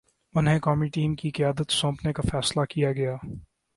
انہیں قومی ٹیم کی قیادت سونپنے کا فیصلہ کیا گیا۔